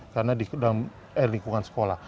karena di dalam eh lingkungan sekolah